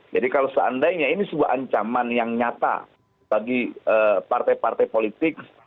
jadi kalau seandainya ini sebuah ancaman yang nyata bagi partai partai politik